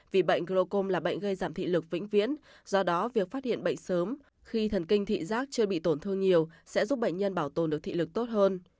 vì bệnh glocom là bệnh gây giảm thị lực vĩnh viễn do đó việc phát hiện bệnh sớm khi thần kinh thị giác chưa bị tổn thương nhiều sẽ giúp bệnh nhân bảo tồn được thị lực tốt hơn